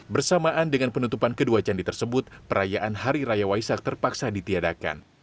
bersamaan dengan penutupan kedua candi tersebut perayaan hari raya waisak terpaksa ditiadakan